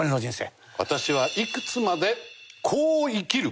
私はいくつまでこう生きる。